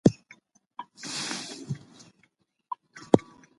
د سولي راوستل د نړیوال امنیت لپاره یوازینۍ او غوره لار ده.